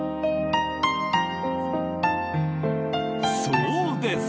そうです！